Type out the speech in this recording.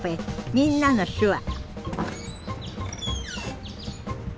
「みんなの手話」